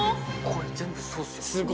これ全部そうっすよ